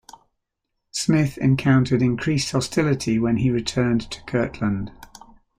Smith encountered increased hostility when he returned to Kirtland.